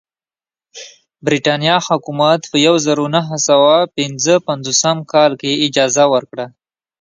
برېټانیا حکومت په یوه زرو نهه سوه پنځه پنځوسم کال کې اجازه ورکړه.